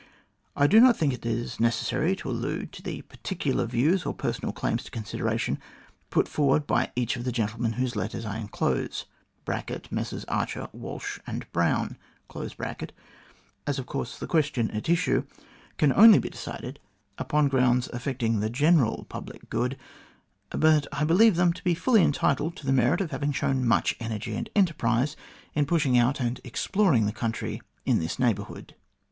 I do not think it is necessary to allude to the particular views or the personal claims to consideration put forward by each of the gentlemen whose letters I enclose (Messrs Archer, Walsh, and Brown), as of course the question at issue can only be decided THE CORRESPONDENCE OF SIR MAURICE O'CONNELL 137 upon grounds affecting the general public good, but I believe them to be fully entitled to the merit of having shown much energy and enterprise in pushing out to, and exploring the country in this neighbourhood."